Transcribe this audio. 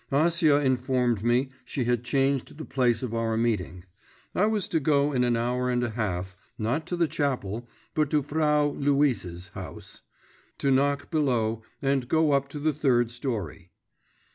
Acia informed me she had changed the place of our meeting. I was to go in an hour and a half, not to the chapel, but to Frau Luise's house, to knock below, and go up to the third storey.